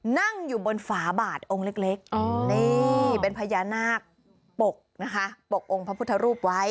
นั่งอยู่บนฝาบาดองค์เล็กนี่เป็นพญานาคปกนะคะปกองค์พระพุทธรูปไว้